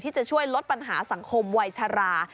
จะช่วยลดปัญหาสังคมวัยชรา